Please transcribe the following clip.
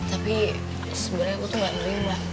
tapi sebenernya aku tuh gak merindu lah